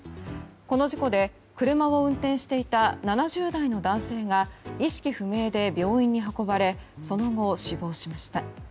この事故で車を運転していた７０代の男性が意識不明で病院に運ばれその後、死亡しました。